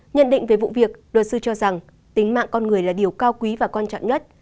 nhận định về vụ việc luật sư cho rằng tính mạng con người là điều cao quý và quan trọng nhất